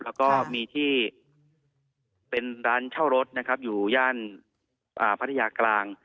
แล้วก็มีที่เป็นร้านเช่ารถนะครับอยู่ย่านพัทยากลาง